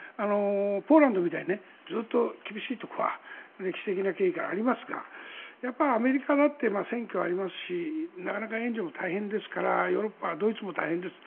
ポーランドみたいにずっと厳しいところは歴史的な経緯からありますがアメリカだって選挙がありますしなかなか援助も大変ですからヨーロッパはドイツも大変です。